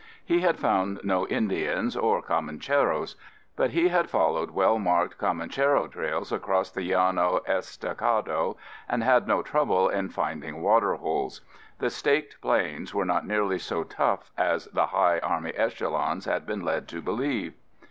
He had found no Indians or Comancheros, but he had followed well marked Comanchero trails across the Llano Estacado and had no trouble in finding water holes. The Staked Plains were not nearly so tough as the high army echelons had been led to believe.